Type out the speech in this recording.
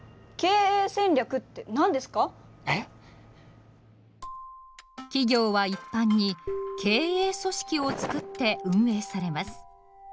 えっ？企業は一般に「経営組織」をつくって運営されます。